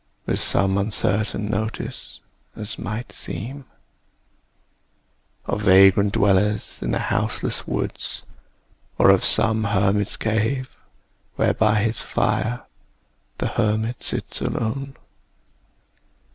With some uncertain notice, as might seem Of vagrant dwellers in the houseless woods, Or of some Hermit's cave, where by his fire The Hermit sits alone.